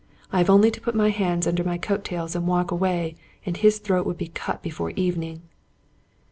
I have only to put my hands under my coat tails and walk away, and his throat would be cut before the evening."